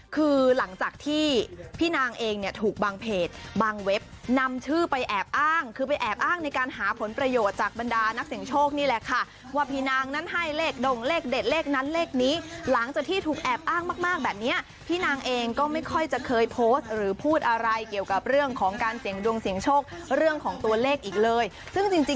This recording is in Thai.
คือหลังจากที่พี่นางเองเนี่ยถูกบางเพจบางเว็บนำชื่อไปแอบอ้างคือไปแอบอ้างในการหาผลประโยชน์จากบรรดานักเสียงโชคนี่แหละค่ะว่าพี่นางนั้นให้เลขดงเลขเด็ดเลขนั้นเลขนี้หลังจากที่ถูกแอบอ้างมากแบบนี้พี่นางเองก็ไม่ค่อยจะเคยโพสต์หรือพูดอะไรเกี่ยวกับเรื่องของการเสี่ยงดวงเสียงโชคเรื่องของตัวเลขอีกเลยซึ่งจริง